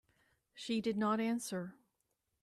She did not answer.